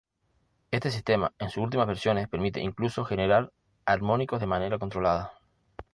Este sistema, en sus últimas versiones, permite incluso generar Armónicos de manera controlada.